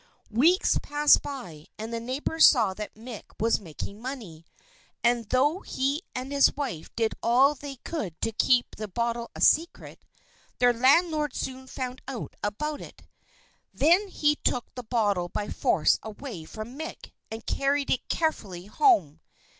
Weeks passed by, and the neighbours saw that Mick was making money; and, though he and his wife did all they could to keep the bottle a secret, their landlord soon found out about it. Then he took the bottle by force away from Mick, and carried it carefully home.